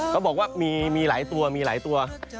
เขาบอกว่ามีหลายตัว